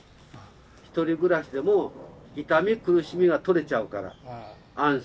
ひとり暮らしでも痛み苦しみが取れちゃうから安心です。